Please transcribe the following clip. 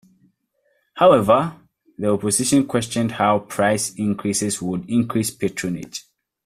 However the Opposition questioned how price increases would increase patronage.